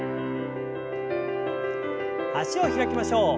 脚を開きましょう。